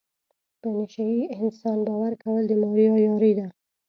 په نشه یې انسان باور کول د مار یاري ده.